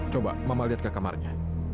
coba mama lihat ke kamarnya